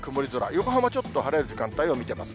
横浜ちょっと晴れる時間帯を見てます。